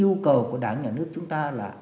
cái yêu cầu của đảng nhà nước chúng ta là